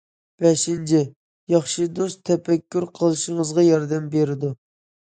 بەشىنچى، ياخشى دوست تەپەككۇر قىلىشىڭىزغا ياردەم قىلىدۇ.